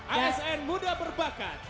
asn muda berbakat